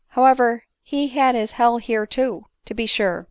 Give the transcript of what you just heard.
However h6 had his hell here too, to be sure